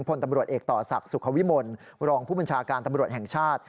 พลตำรวจเอกต่อศักดิ์สุขวิมลรองผู้บัญชาการตำรวจแห่งชาติ